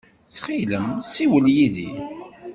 Ttxil-m, ssiwel yid-i.